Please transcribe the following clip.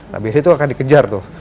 nah biasanya itu akan dikejar tuh